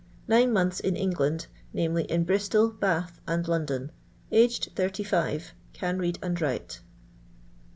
Nine months in England, viz., in Bristol, Bath, and Londoa Aged S5. Can read and write.